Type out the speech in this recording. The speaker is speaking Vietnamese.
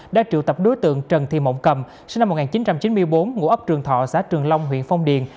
đã triệu tập đối tượng trần thị mộng cầm sinh năm một nghìn chín trăm chín mươi bốn ngũ ấp trường thọ xã trường long huyện phong điền